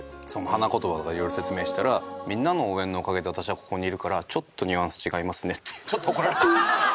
みんなの応援のおかげで私はここにいるからちょっとニュアンス違いますねってちょっと怒られた。